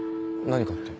何かって？